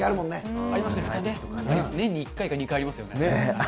年に１回か２回ありますね。